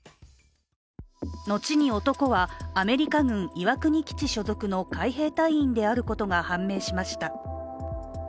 後に男は、アメリカ軍岩国基地所属の海兵隊員であることが判明しました。